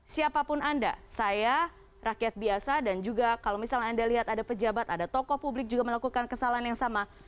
siapapun anda saya rakyat biasa dan juga kalau misalnya anda lihat ada pejabat ada tokoh publik juga melakukan kesalahan yang sama